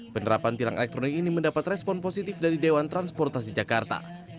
penerapan tilang elektronik ini mendapat respon positif dari dewan transportasi jakarta